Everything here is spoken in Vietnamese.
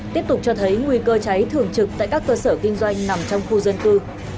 tiếp tục cho thấy nguy cơ cháy thường trực tại các cơ sở kinh doanh nằm trong khu dân cư